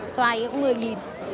soài một mươi nghìn